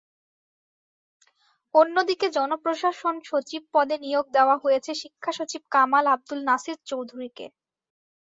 অন্যদিকে জনপ্রশাসন সচিব পদে নিয়োগ দেওয়া হয়েছে শিক্ষাসচিব কামাল আবদুল নাসের চৌধুরীকে।